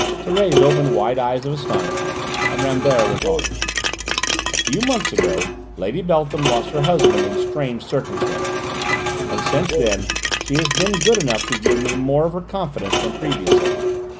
Thérèse opened wide eyes of astonishment, and Rambert went on: "A few months ago Lady Beltham lost her husband in strange circumstances, and since then she has been good enough to give me more of her confidence than previously.